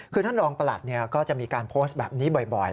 คือท่านรองประหลัดก็จะมีการโพสต์แบบนี้บ่อย